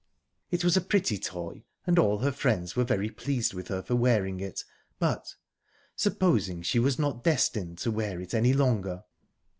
It was a pretty toy, and all her friends were very pleased with her for wearing it, but...supposing she was not destined to wear it any longer?